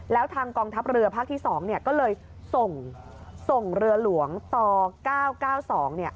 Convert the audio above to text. แล้วทางกองทัพเรือภาคที่๒เนี่ยก็เลยส่งส่งเรือหลวงต่อ๙๙๒เนี่ย